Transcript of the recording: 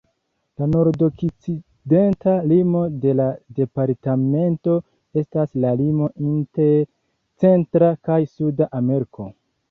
La nordokcidenta limo de la departamento estas la limo inter Centra kaj Suda Ameriko.